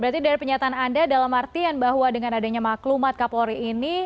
berarti dari penyataan anda dalam artian bahwa dengan adanya maklumat kapolri ini